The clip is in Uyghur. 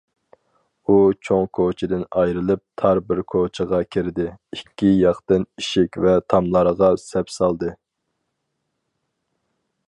ئۇ چوڭ كوچىدىن ئايرىلىپ تار بىر كوچىغا كىردى، ئىككى ياقتىن ئىشىك ۋە تاملارغا سەپسالدى.